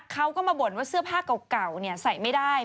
เขาก็มาบ่นว่าเสื้อผ้าเก่าใส่ไม่ได้